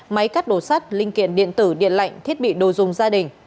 máy cắt đồ sắt linh kiện điện tử điện lạnh thiết bị đồ dùng gia đình